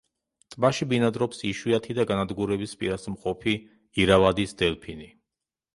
ტბაში ბინადრობს იშვიათი და განადგურების პირას მყოფი ირავადის დელფინი.